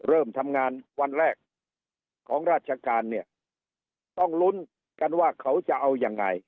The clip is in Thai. เริ่มทำงานวันแรกของราชการเนี่ยต้องลุ้นกันว่าเขาจะเอายังไง